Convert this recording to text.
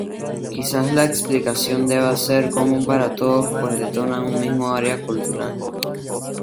Quizás la explicación deba ser común para todos pues denotan un mismo área cultural.